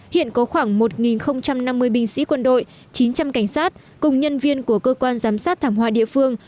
hiện có khoảng một năm mươi binh sĩ quân đội chín trăm linh cảnh sát cùng nhân viên của cơ quan giám sát thảm họa địa phương